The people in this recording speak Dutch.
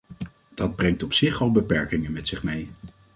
Dat brengt op zich al beperkingen met zich mee.